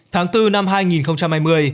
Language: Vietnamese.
tháng bốn năm hai nghìn hai mươi